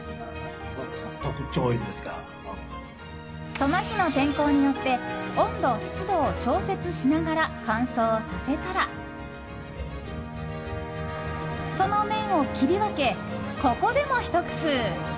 その日の天候によって温度、湿度を調節しながら乾燥させたら、その麺を切り分けここでもひと工夫。